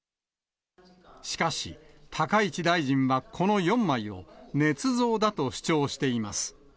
しかし、高市大臣はこの４枚を、ねつ造だと主張しています。